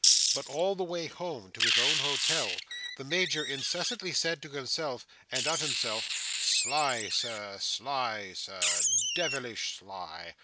But all the way home to his own hotel, the Major incessantly said to himself, and of himself, "Sly, Sir—sly, Sir—de vil ish sly!"